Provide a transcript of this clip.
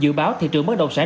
dự báo thị trường bất động sản